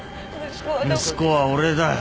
息子は俺だよ。